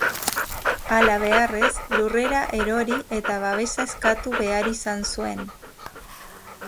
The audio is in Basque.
Halabeharrez lurrera erori eta babesa eskatu behar izan zuen.